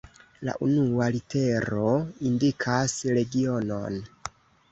La unua litero indikas regionon.